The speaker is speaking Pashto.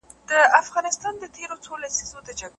په پای کي د څيړني ټولي برخې باید له منطقي پلوه سره وتړل سي.